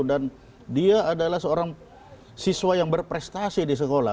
dan dia adalah seorang siswa yang berprestasi di sekolah